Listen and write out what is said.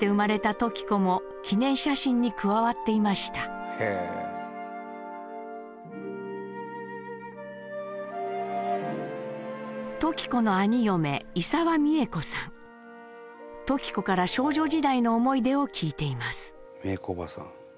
時子から少女時代の思い出を聞いています。